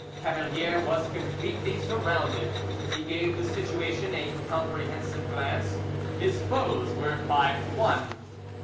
Cavalier was completely surrounded: he gave the situation a comprehensive glance—his foes, were five to one.